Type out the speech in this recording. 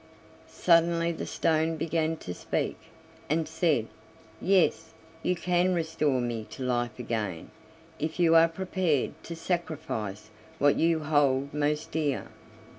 Suddenly the stone began to speak, and said: "Yes, you can restore me to life again if you are prepared to sacrifice what you hold most dear."